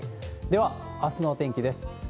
では、あすのお天気です。